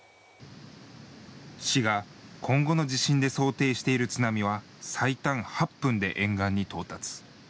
市が今後の地震で想定している津波は最短８分で沿岸に到達。